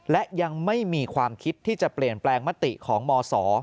และยังไม่มีความคิดที่จะเปลี่ยนแปลงมติของมศ